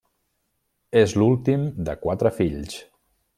És l'últim de quatre fills.